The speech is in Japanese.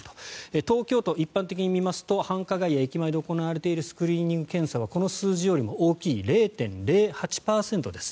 東京都、一般的に見ますと繁華街や駅前で行われているスクリーニング検査はこの数字よりも大きい０．０８％です。